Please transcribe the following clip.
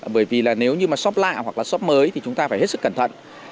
bởi vì nếu là shop lạ hoặc là shop mới thì chúng ta phải hết sức cẩn thận